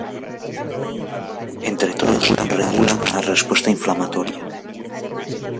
Entre todos regulan la respuesta inflamatoria.